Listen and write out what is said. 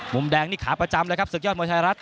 มุมแดงนี่ขาประจำเลยครับศึกยอดมวยไทยรัฐ